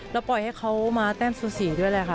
แล้วปล่อยให้เขามาแต้มสูสีด้วยแหละค่ะ